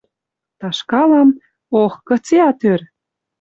Ташкалам... ох, кыце ат ӧр!..